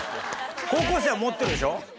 高校生は持ってるでしょ？